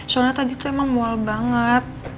soalnya tadi tuh emang mual banget